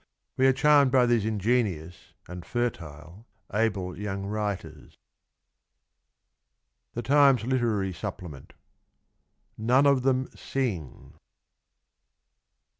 We are charmed by these ingenious and fertile able young writers. THE TIMES LITERARY SUPPLEMENT. None of them sing